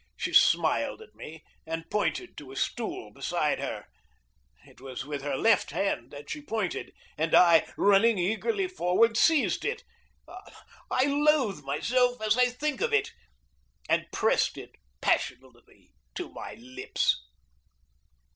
She smiled at me, and pointed to a stool beside her. It was with her left hand that she pointed, and I, running eagerly forward, seized it, I loathe myself as I think of it, and pressed it passionately to my lips.